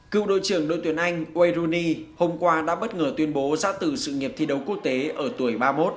cựu đội trưởng đội tuyển anh wauni hôm qua đã bất ngờ tuyên bố giã từ sự nghiệp thi đấu quốc tế ở tuổi ba mươi một